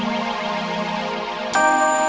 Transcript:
ke rumah emak